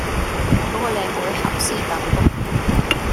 嗰個靚女姣斯凳督